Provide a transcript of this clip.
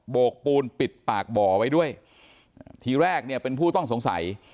โกกปูนปิดปากบ่อไว้ด้วยทีแรกเนี่ยเป็นผู้ต้องสงสัย